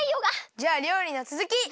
じゃありょうりのつづき！